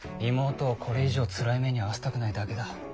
妹をこれ以上つらい目に遭わせたくないだけだ。